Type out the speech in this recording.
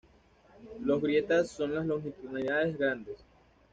Los grietas son longitudinales grandes.